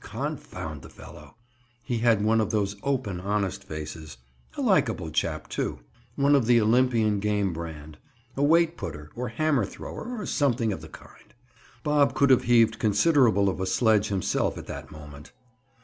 Confound the fellow! He had one of those open honest faces. A likable chap, too! One of the Olympian game brand! A weight putter, or hammer thrower, or something of the kind. Bob could have heaved considerable of a sledge himself at that moment.